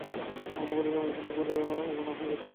অন্য কোনো সময় হইলে গোরা আগুন হইয়া উঠিত।